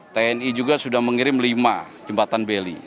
tni juga sudah mengirim lima jembatan beli